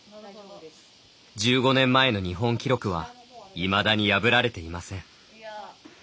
１５年前の日本記録はいまだに破られていません。